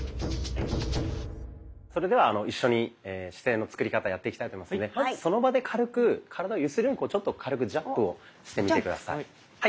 それでは一緒に姿勢の作り方やっていきたいと思いますのでまずその場で軽く体を揺するようにちょっと軽くジャンプをしてみて下さい。